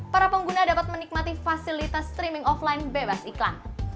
para pengguna dapat menikmati fasilitas streaming offline bebas iklan